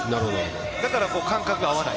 だから感覚が合わない。